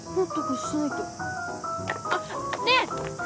あっねえ！